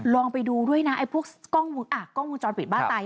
ลองไปดูด้วยนะไอ้พวกกล้องวงจรปิดบ้านไต